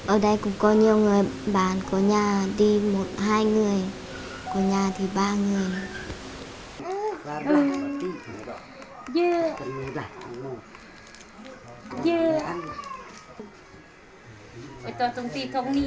ở đây cũng có nhiều người bán có nhà đi một hai người có nhà thì ba